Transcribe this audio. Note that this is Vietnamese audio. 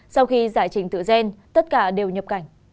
sau khi giải trình tự gen tất cả đều nhập cảnh